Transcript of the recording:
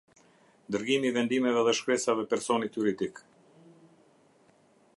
Dërgimi i vendimeve dhe shkresave personit juridik.